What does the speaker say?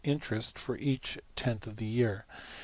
\ interest for each tenth of the year.